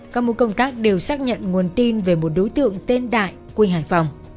các mô công tác đều xác nhận nguồn tin về một đối tượng tên đại quê hải phòng